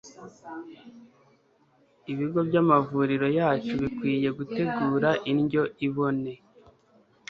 ibigo by'amavuriro yacu bikwiriye gutegura indyo ibone